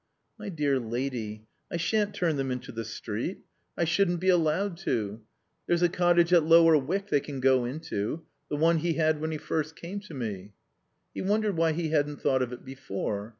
"My dear lady, I shan't turn them into the street. I shouldn't be allowed to. There's a cottage at Lower Wyck they can go into. The one he had when he first came to me." He wondered why he hadn't thought of it before.